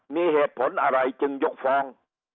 มีเหตุผลอะไรจึงยกฟ้อง